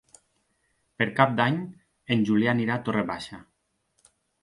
Per Cap d'Any en Julià anirà a Torre Baixa.